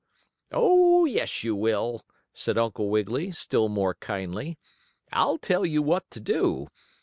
"Oh, yes, you will!" said Uncle Wiggily, still more kindly. "I'll tell you what to do.